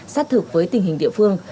sát thực với tình hình địa phương